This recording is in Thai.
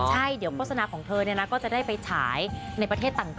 ใช่เดี๋ยวโฆษณาของเธอก็จะได้ไปฉายในประเทศต่าง